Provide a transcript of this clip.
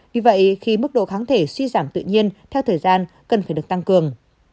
vì vậy khi mức độ kháng thể suy giảm tự nhiên theo thời gian cần phải được tăng cường